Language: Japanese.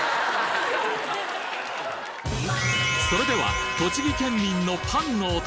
それでは栃木県民のパンのお供